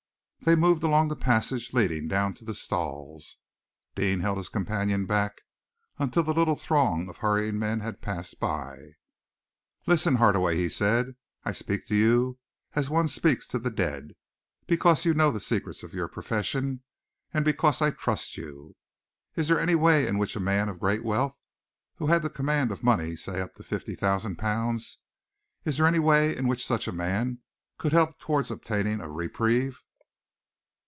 They moved along the passage leading down to the stalls. Deane held his companion back until the little throng of hurrying men had passed by. "Listen, Hardaway," he said, "I speak to you as one speaks to the dead, because you know the secrets of your profession, and because I trust you. Is there any way in which a man of great wealth, who had the command of money say up to fifty thousand pounds, is there any way in which such a man could help towards obtaining a reprieve?"